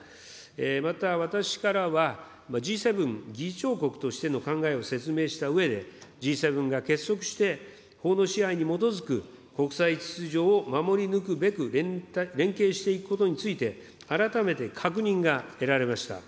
また私からは、Ｇ７議長国としての考えを説明したうえで、Ｇ７が結束して法の支配に基づく国際秩序を守り抜くべく、連携していくことについて、改めて確認が得られました。